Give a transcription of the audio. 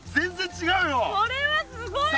これはすごいよ。